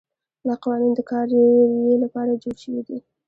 دا قوانین د کاري رویې لپاره جوړ شوي دي.